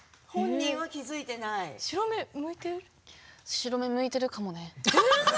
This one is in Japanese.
白目むいているかもね。